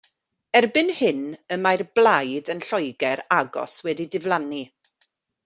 Erbyn hyn y mae'r Blaid yn Lloegr agos wedi diflannu.